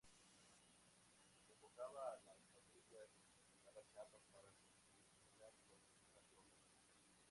Convocaba a las familias, daba charlas para concientizar sobre esa problemática.